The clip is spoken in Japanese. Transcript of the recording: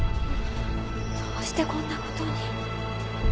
どうしてこんな事に。